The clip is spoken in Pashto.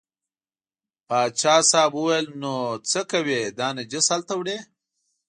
پاچا صاحب وویل نو څه کوې دا نجس هلته وړې.